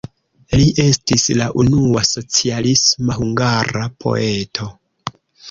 Li estis la unua socialisma hungara poeto.